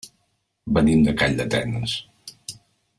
Venim de Calldetenes.